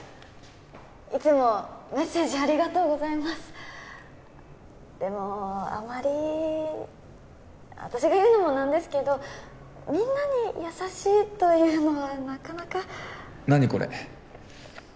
いつもメッセージありがとうございますでもあまり私が言うのもなんですけどみんなに優しいというのはなかなか何これ？